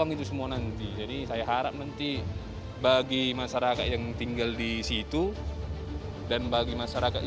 itu semua nanti jadi saya harap nanti bagi masyarakat yang tinggal di situ dan bagi masyarakat